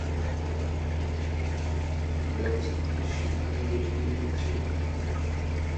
এই ব্যবস্থাটির সুবিধাগুলি দ্বিগুণ ছিল।